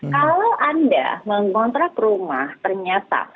kalau anda mengontrak rumah ternyata